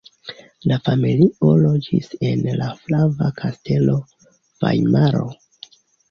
La familio loĝis en la Flava Kastelo (Vajmaro).